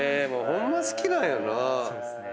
ホンマ好きなんやなぁ。